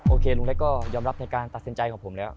ลุงเล็กก็ยอมรับในการตัดสินใจของผมแล้ว